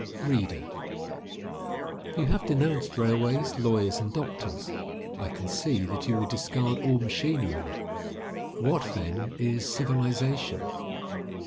READER: You have denounced railways, lawyers and doctors. I can see that you will discard all machinery. What, then, is civilization?